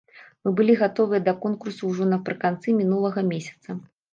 Мы былі гатовыя да конкурсу ўжо напрыканцы мінулага месяца.